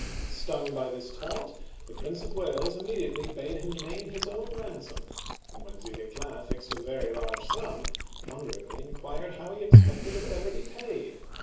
Stung by this taunt, the Prince of Wales immediately bade him name his own ransom, and when Du Guesclin fixed a very large sum, wonderingly inquired how he ex pected it would ever be paid.